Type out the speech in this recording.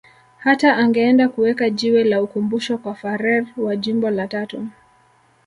Hata angeenda kuweka jiwe la ukumbusho kwa Fuhrer wa Jimbo la Tatu